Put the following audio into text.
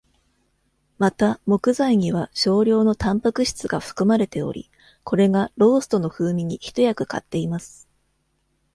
また、木材には少量のタンパク質が含まれており、これがローストの風味に一役かっています。